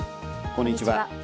こんにちは。